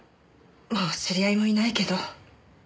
もう知り合いもいないけど。